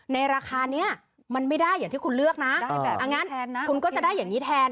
ราคานี้มันไม่ได้อย่างที่คุณเลือกนะคุณก็จะได้อย่างนี้แทน